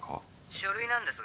書類なんですが。